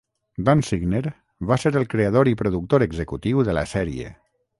Dan Signer va ser el creador i productor executiu de la sèrie.